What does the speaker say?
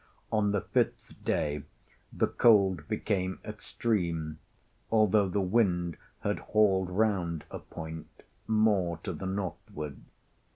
On the fifth day the cold became extreme, although the wind had hauled round a point more to the northward.